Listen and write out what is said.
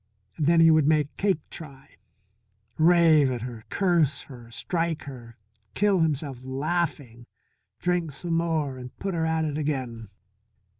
Then he would make Cake try, rave at her, curse her, strike her, kill himself laughing, drink some more and put her at it again.